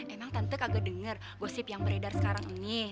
emang tante kagak denger gosip yang beredar sekarang ini